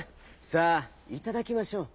さあいただきましょう」。